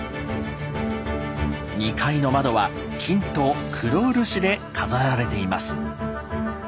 ２階の窓は金と黒漆で飾られています。